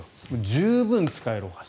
十分使えるお箸。